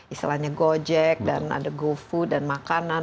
istilahnya gojek dan ada gofoo dan makanan